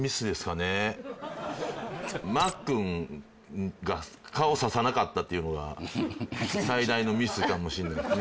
マックンが顔ささなかったっていうのが最大のミスかもしんないですね